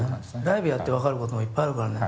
ライブやって分かることもいっぱいあるからね。